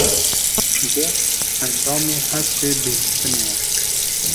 Guh endamê hestê bihîstinê ye.